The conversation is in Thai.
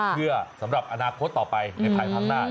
เพื่อสำหรับอนาคตต่อไปในภายข้างหน้า